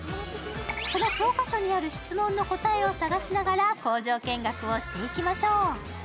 その教科書にある質問の答えを探しながら工場見学をしていきましょう。